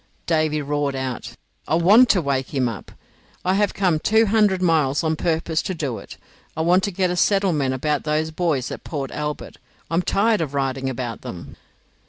Davy roared out, "I want to wake him up. I have come two hundred miles on purpose to do it. I want to get a settlement about those buoys at Port Albert. I am tired of writing about them."